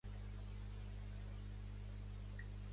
Quina resposta van obtenir sobre on era Es-Satti?